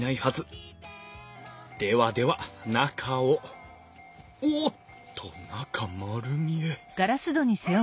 ではでは中をおっと中丸見え。